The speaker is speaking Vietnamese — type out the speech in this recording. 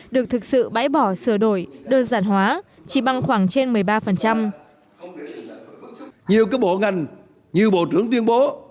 được thực sự bãi bỏ sửa đổi đơn giản hóa chỉ bằng khoảng trên một mươi ba